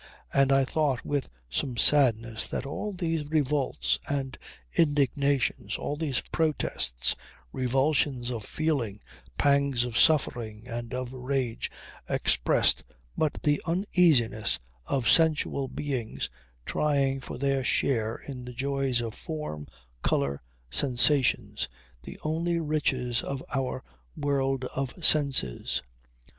And I thought with some sadness that all these revolts and indignations, all these protests, revulsions of feeling, pangs of suffering and of rage, expressed but the uneasiness of sensual beings trying for their share in the joys of form, colour, sensations the only riches of our world of senses.